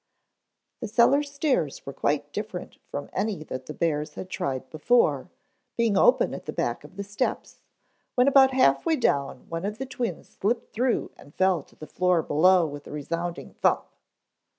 The cellar stairs were quite different from any that the bears had tried before, being open at the back of the steps. When about half way down one of the twins slipped through and fell to the floor below with a resounding thump.